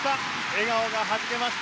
笑顔がはじけました